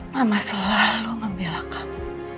mama selalu membela kamu